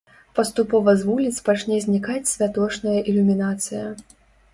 Паступова з вуліц пачне знікаць святочная ілюмінацыя.